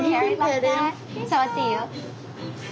触っていいよ。